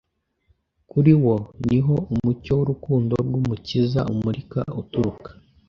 Kuri wo ni ho umucyo w’urukundo rw’Umukiza umurika uturuka